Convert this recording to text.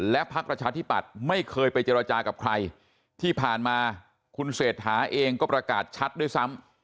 และพักประชาธิปัตย์ไม่เคยไปเจรจากับใครที่ผ่านมาคุณเศรษฐาเองก็ประกาศชัดด้วยซ้ำ